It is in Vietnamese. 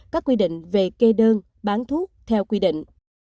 các quy định về kê đơn bán thuốc theo quy định